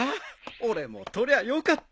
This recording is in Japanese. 俺も撮りゃよかった。